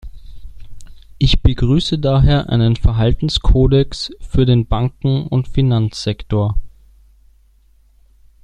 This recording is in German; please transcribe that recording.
Ich begrüße daher einen Verhaltenskodex für den Banken- und Finanzsektor.